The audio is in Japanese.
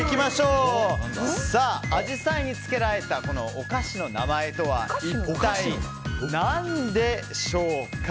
アジサイにつけられたお菓子の名前とは一体何でしょうか？